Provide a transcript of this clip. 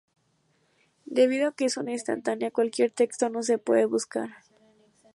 Debido a que es una instantánea, cualquier texto no se puede buscar.